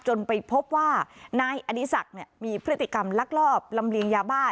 จนไปพบว่านายอดีศักดิ์มีพฤติกรรมลักลอบลำเลียงยาบ้า